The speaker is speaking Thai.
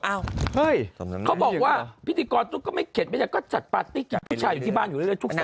เฮ้ยเขาบอกว่าพิธีกรตุ๊กก็ไม่เข็ดไม่ได้ก็จัดปาร์ตี้กับผู้ชายอยู่ที่บ้านอยู่เรื่อยทุกวัน